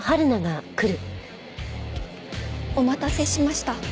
お待たせしました。